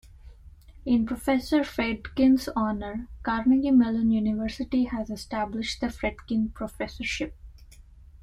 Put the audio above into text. In Professor Fredkin's honor, Carnegie Mellon University has established the Fredkin professorship.